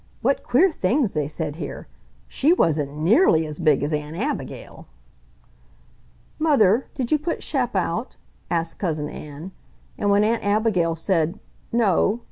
What queer things they said here. She wasn't NEARLY as big as Aunt Abigail! "Mother, did you put Shep out?" asked Cousin Ann; and when Aunt Abigail said, "No!